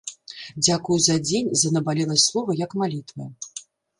Дзякую за дзень, за набалеласць слова як малітвы.